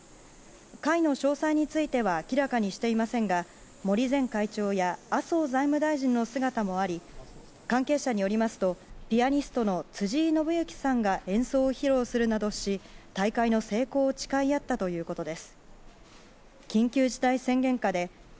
会の詳細については明らかにしていませんが森前会長や麻生財務大臣の姿もあり関係者によりますとピアニストの辻井伸行さんが演奏を披露するなどし大会の成功を誓い合ったということです。